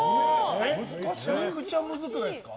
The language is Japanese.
めちゃくちゃむずくないですか。